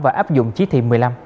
và áp dụng chí thị một mươi năm